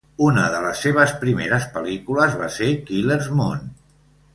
Una de les seves primeres pel·lícules va ser "Killer's Moon".